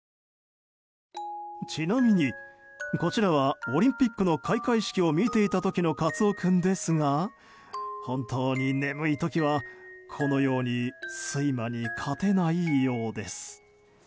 ちなみに、こちらはオリンピックの開会式を見ていた時のカツヲ君ですが本当に眠い時はこのように睡魔に勝てないようです。